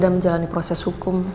dan menjalani proses hukum